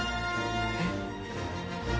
えっ！？